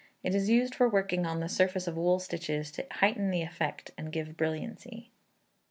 It is used for working on the surface of wool stitches to heighten the effect and give brilliancy.